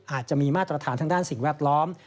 อาจจะมีมาตรฐานทางด้านสิ่งแวดล้อม